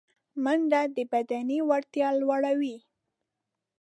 منډه د بدني وړتیا لوړوي